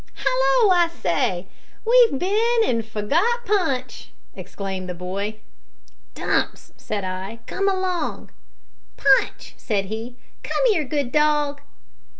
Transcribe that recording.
"Hallo! I say! we've bin an' forgot Punch!" exclaimed the boy. "Dumps," said I, "come along!" "Punch," said he, "come here, good dog!"